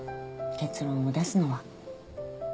結論を出すのは。